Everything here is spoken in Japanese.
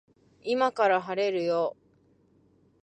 今から晴れるよ